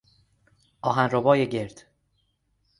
آهنربای گرد